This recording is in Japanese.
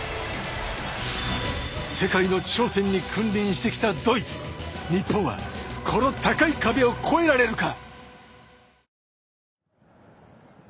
世界の頂点に君臨してきたドイツ日本はこの高い壁を超えられるか。